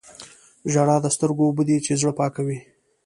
• ژړا د سترګو اوبه دي چې زړه پاکوي.